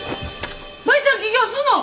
舞ちゃん起業すんの！？